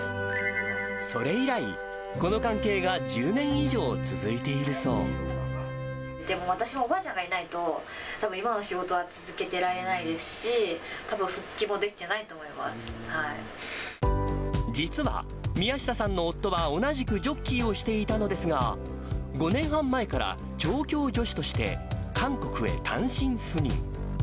それ以来、この関係が１０年でも、私もおばあちゃんがいないと、たぶん今の仕事は続けてられないですし、たぶん、復帰も実は、宮下さんの夫は、同じくジョッキーをしていたのですが、５年半前から、調教助手として、韓国へ単身赴任。